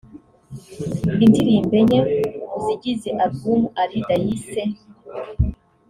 Indirimbo enye mu zigize Album Alida yise